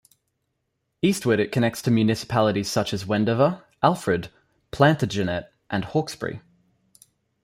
Eastward it connects to municipalities such as Wendover, Alfred, Plantagenet and Hawkesbury.